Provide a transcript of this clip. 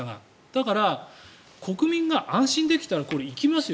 だから、国民が安心できたらこれ、行きますよ。